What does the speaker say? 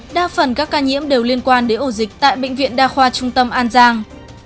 đa phần các ca nhiễm đều liên quan đến ổ dịch tại bệnh viện đa khoa trung tâm an giang